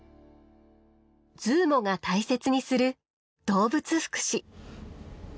ＺＯＯＭＯが大切にする動物福祉。